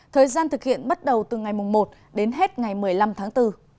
thời gian thực hiện bắt đầu từ ngày một đến hết ngày một mươi năm tháng bốn